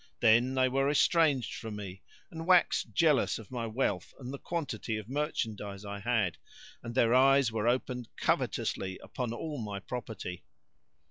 Then they were estranged from me, and waxed jealous of my wealth and the quantity of merchandise I had, and their eyes were opened covetously upon all my property.